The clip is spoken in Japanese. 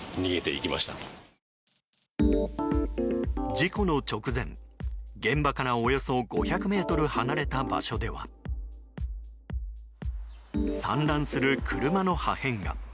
事故の直前、現場からおよそ５００ｍ離れた場所では散乱する車の破片が。